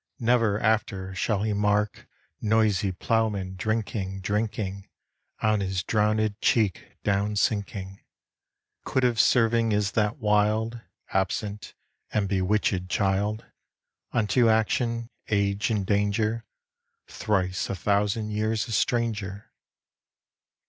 Never after shall he mark Noisy ploughmen drinking, drinking, On his drownèd cheek down sinking; Quit of serving is that wild, Absent, and bewitchèd child, Unto action, age, and danger, Thrice a thousand years a stranger.